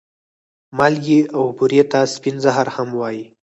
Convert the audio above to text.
مالګې او بورې ته سپين زهر هم وايې